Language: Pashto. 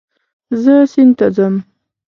زه سیند ته ځم